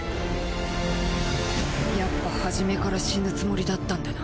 やっぱ初めから死ぬつもりだったんだな。